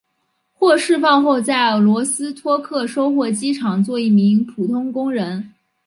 获释放后在罗斯托克收获机厂做一名普通工人。